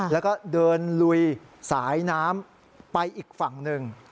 แล้วก็เดินลุยสายน้ำไปอีกฝั่งหนึ่ง